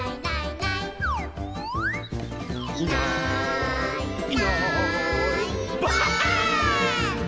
「いないいないばあっ！」